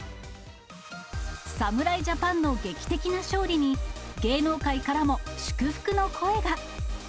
侍ジャパンの劇的な勝利に、芸能界からも祝福の声が。